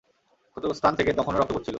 ক্ষতস্থান থেকে তখনও রক্ত পড়ছিল।